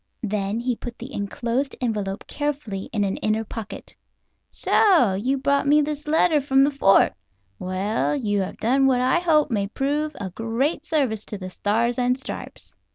Then he put the enclosed envelope carefully in an inner pocket. "So you brought me this letter from the fort. Well, you have done what I hope may prove a great service to the Stars and Stripes.